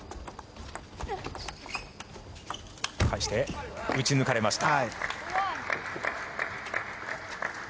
返して、打ちぬかれました。